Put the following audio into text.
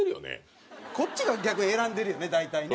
こっちが逆に選んでるよね大体ね。